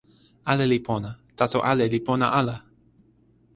ale li pona.taso ale li pona ala!